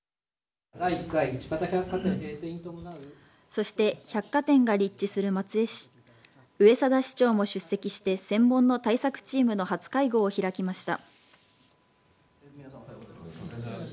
そして、百貨店が立地する松江市上定市長も出席して専門の対策チームの初会合を開きました。